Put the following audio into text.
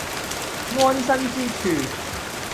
安身之處